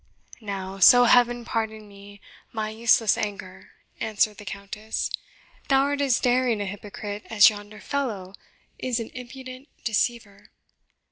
"Now, so Heaven pardon me my useless anger," answered the Countess, "thou art as daring a hypocrite as yonder fellow is an impudent deceiver!